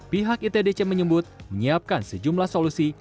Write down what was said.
pihak itdc menyebut menyiapkan sejumlah solusi